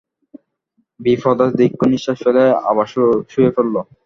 বিপ্রদাস দীর্ঘনিশ্বাস ফেলে আবার শুয়ে পড়ল।